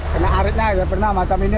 kena arit pernah seperti ini